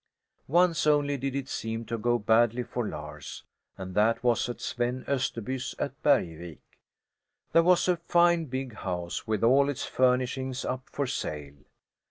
Once only did it seem to go badly for Lars, and that was at Sven Österby's, at Bergvik. There was a fine big house, with all its furnishings up for sale.